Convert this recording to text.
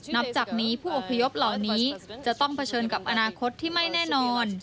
นับจากนี้ผู้อพยพเหล่านี้จะต้องเผชิญกับอนาคตที่ไม่แน่นอน